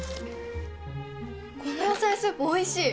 この野菜スープ美味しい！